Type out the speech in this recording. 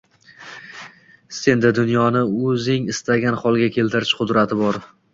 Senda dunyoni oʻzing istagan holga keltirish qudrati yoʻq